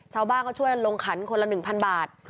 ชาวบ้านเขาช่วยลงขันคนละ๑๐๐บาท